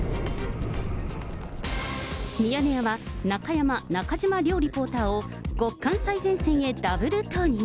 ミヤネ屋は、中山、中島両リポーターを極寒最前線へダブル投入。